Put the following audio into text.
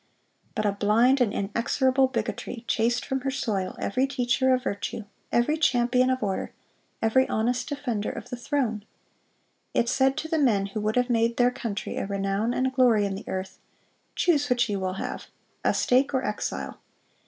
"But a blind and inexorable bigotry chased from her soil every teacher of virtue, every champion of order, every honest defender of the throne; it said to the men who would have made their country a 'renown and glory' in the earth, Choose which you will have, a stake or exile.